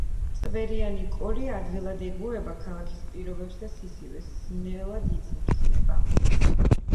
წვერიანი კოლი ადვილად ეგუება ქალაქის პირობებს და სიცივეს, ძნელად იწვრთნება.